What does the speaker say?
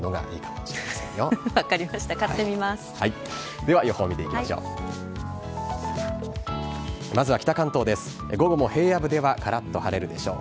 では予報を見ていきましょう。